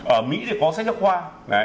ở mỹ thì có sách giáo khoa